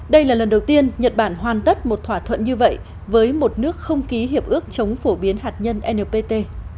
đây là lần đầu tiên nhật bản hoàn tất một thỏa thuận như vậy với một nước không ký hiệp ước chống phổ biến hạt nhân npt